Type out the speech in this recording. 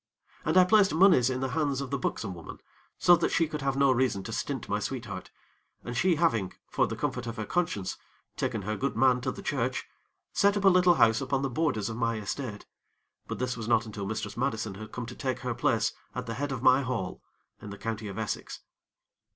And I placed monies in the hands of the buxom woman, so that she could have no reason to stint my sweetheart, and she having for the comfort of her conscience taken her good man to the church, set up a little house upon the borders of my estate; but this was not until Mistress Madison had come to take her place at the head of my hall in the County of Essex.